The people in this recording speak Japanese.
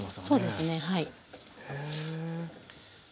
そうですねはい。